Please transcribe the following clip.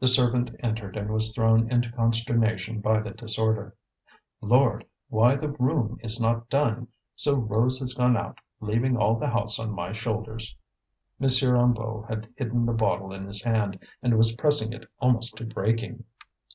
The servant entered and was thrown into consternation by the disorder. "Lord! Why, the room is not done! So Rose has gone out, leaving all the house on my shoulders!" M. Hennebeau had hidden the bottle in his hand and was pressing it almost to breaking.